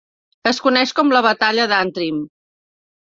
Es coneix com la Batalla d'Antrim.